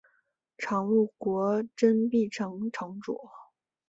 常陆国真壁城城主。